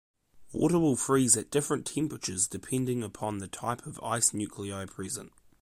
Water will freeze at different temperatures depending upon the type of ice nuclei present.